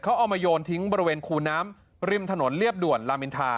เขาเอามาโยนทิ้งบริเวณคูน้ำริมถนนเรียบด่วนลามินทา